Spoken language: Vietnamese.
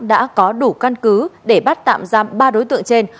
đã có đủ căn cứ để bắt tạm giam ba đối tượng trên